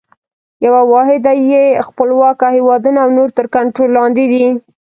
یوه واحده یې خپلواکه هیوادونه او نور تر کنټرول لاندي دي.